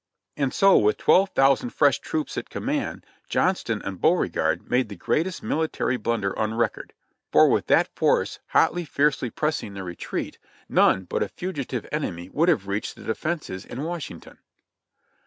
And so with twelve thousand fresh troops at command, John ston and Beauregard made the greatest military blunder on record; for with that force hotly, fiercely pressing the retreat, BULL, RUN TO WASHINGTON BUT TWENTY SIX MILES 69 none but a fugitive enemy would have reached the defenses in AVashington.